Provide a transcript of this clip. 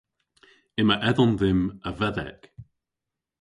Yma edhomm dhymm a vedhek.